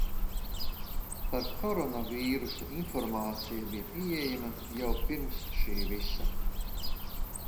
Par koronavīrusu informācija bija pieejama jau pirms šī visa.